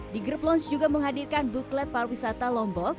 di grab lounge juga menghadirkan buklet parwisata lombok